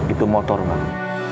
itu motor bang